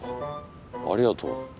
ありがとう。